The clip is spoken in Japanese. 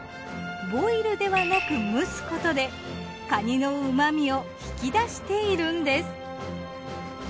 ボイルではなく蒸すことでかにの旨味を引き出しているんです。